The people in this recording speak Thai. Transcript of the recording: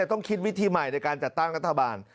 ต้องคิดวิธีใหม่ในการจัดตั้งรัฐบาล